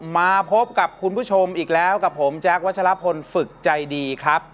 มาพบกับคุณผู้ชมอีกแล้วกับผมแจ๊ควัชลพลฝึกใจดีครับ